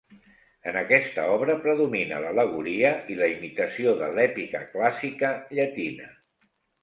En aquesta obra predomina l'al·legoria i la imitació de l'èpica clàssica llatina.